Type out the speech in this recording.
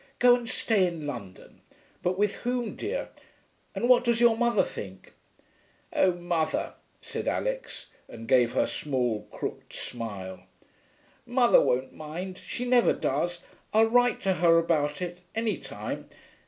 'Go and stay in London.... But with whom, dear? And what does your mother think?' 'Oh, mother,' said Alix, and gave her small, crooked smile. 'Mother won't mind. She never does. I'll write to her about it, any time....